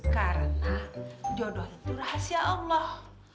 karena jodoh itu rahasia allah